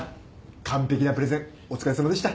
完璧なプレゼンお疲れさまでした。